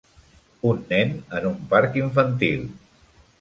Un nen en un parc infantil.